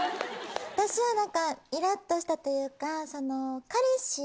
私はイラっとしたというか。